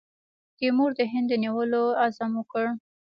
تیمور د هند د نیولو عزم وکړ.